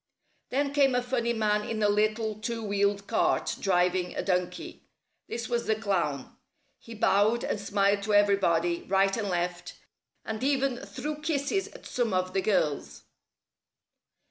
Then came a funny man in a little, two wheeled cart, driving a donkey. This was the clown. He bowed and smiled to everybody, right and left, and even threw kisses at some of the girls.